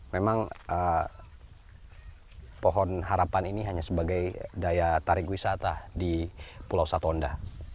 memang pohon harapan ini hanya sebagai daya tarik wisata di pulau satonda